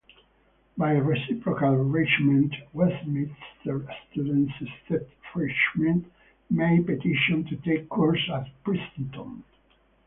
By reciprocal arrangement, Westminster students, except freshmen, may petition to take courses at Princeton.